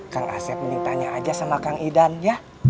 kang aset mending tanya aja sama kang idan ya